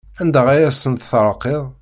Anda ay asent-terqiḍ?